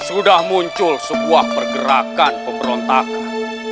sudah muncul sebuah pergerakan pemberontakan